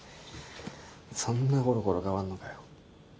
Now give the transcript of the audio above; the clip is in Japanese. そんなコロコロ変わんのかよ。